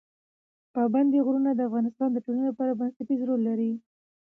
پابندی غرونه د افغانستان د ټولنې لپاره بنسټيز رول لري.